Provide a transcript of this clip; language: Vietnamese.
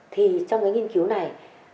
thì trong cái nghiên cứu này